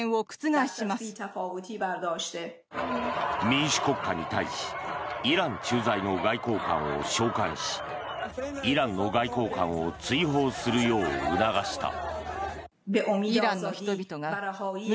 民主国家に対しイラン駐在の外交官を召還しイランの外交官を追放するよう促した。